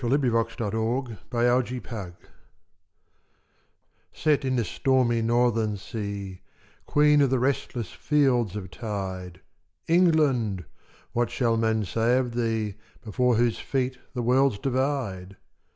POEMS AVE IMPERATRIX SET in this stormy Northern sea, Queen of these restless fields of tide, England! what shall men say of thee, Before whose feet the worlds divide?